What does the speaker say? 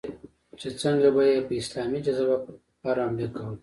چې څنگه به يې په اسلامي جذبه پر کفارو حملې کولې.